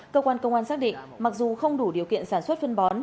cơ quan công an xác định mặc dù không đủ điều kiện sản xuất phân bón